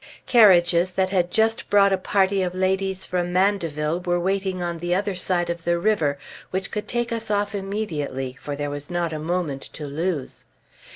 Carriages that had just brought a party of ladies from Mandeville were waiting on the other side of the river, which could take us off immediately, for there was not a moment to lose.